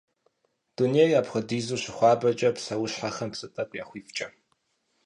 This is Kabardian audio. Дунейр апхуэдизу щыхуабэкӏэ, псэущхьэхэм псы тӏэкӏу яхуифкӏэ.